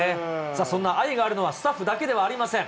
そんな愛があるのはスタッフだけではありません。